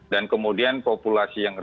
dan kemudian populasi yang